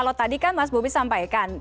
kalau tadi kan mas bobi sampaikan